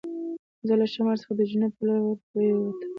زه له شمال څخه د جنوب په لور ور پورې و وتم.